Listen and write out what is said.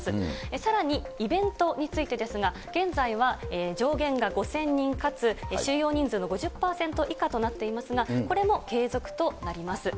さらにイベントについてですが、現在は上限が５０００人かつ収容人数の５０％以下となっていますが、これも継続となります。